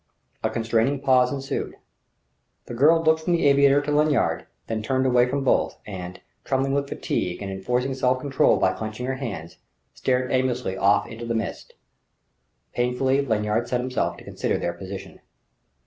A constrained pause ensued. The girl looked from the aviator to Lanyard, then turned away from both and, trembling with fatigue and enforcing self control by clenching her hands, stared aimlessly off into the mist. Painfully, Lanyard set himself to consider their position.